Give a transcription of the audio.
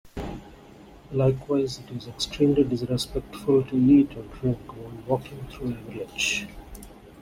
Likewise, it is extremely disrespectful to eat or drink when walking through a village.